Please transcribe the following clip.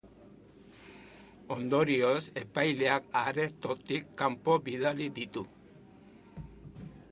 Ondorioz, epaileak aretotik kanpo bidali ditu.